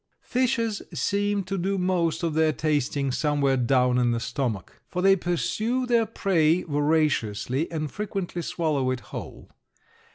Fishes seem to do most of their tasting somewhere down in the stomach, for they pursue their prey voraciously and frequently swallow it whole.